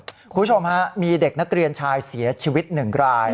คุณผู้ชมฮะมีเด็กนักเรียนชายเสียชีวิตหนึ่งราย